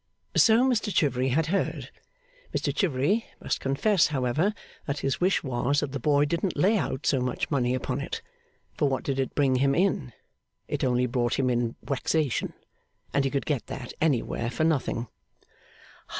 So Mr Chivery had heard. Mr Chivery must confess, however, that his wish was that the boy didn't lay out so much money upon it. For what did it bring him in? It only brought him in wexation. And he could get that anywhere for nothing.